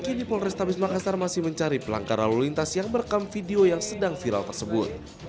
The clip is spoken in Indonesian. kini polrestabes makassar masih mencari pelanggar lalu lintas yang merekam video yang sedang viral tersebut